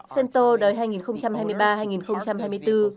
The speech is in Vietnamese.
sentou đầy hai nghìn hai mươi ba hai nghìn hai mươi bốn